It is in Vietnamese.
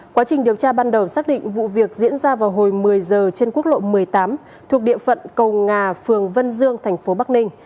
quá trình điều tra ban đầu xác định vụ việc diễn ra vào hồi một mươi giờ trên quốc lộ một mươi tám thuộc địa phận cầu ngà phường vân dương thành phố bắc ninh